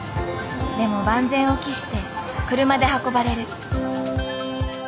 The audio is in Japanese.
でも万全を期して車で運ばれる。